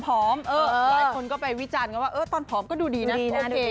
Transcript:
หลายคนก็ไปวิจารณ์กันว่าตอนผอมก็ดูดีนะนั่นเอง